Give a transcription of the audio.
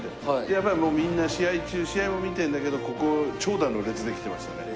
やっぱりみんな試合中試合も見てるんだけどここ長蛇の列できてましたね。